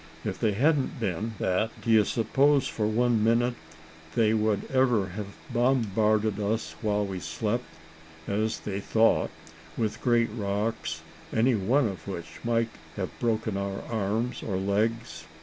If they hadn't been that, d'ye suppose for one minute they would ever have bombarded us while we slept, as they thought, with great rocks, any one of which might have broken our arms or legs?